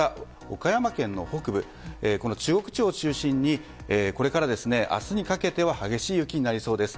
岡山県の北部、中国地方を中心にこれから明日にかけては激しい雪になりそうです。